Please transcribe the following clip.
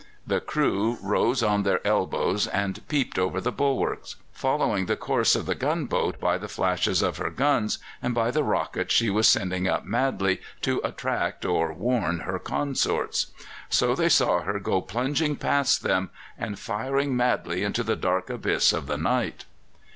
The crew rose on their elbows and peeped over the bulwarks, following the course of the gunboat by the flashes of her guns and by the rockets she was sending up madly to attract or warn her consorts. So they saw her go plunging past them and firing madly into the dark abyss of the night.